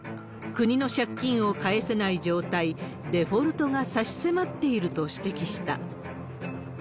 国の借金を返せない状態、デフォルトが差し迫っていると指摘した。